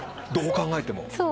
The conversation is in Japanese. どう考えても。